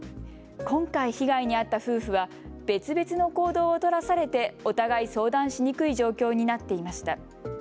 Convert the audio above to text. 今回、被害に遭った夫婦は別々の行動を取らされてお互い相談しにくい状況になっていました。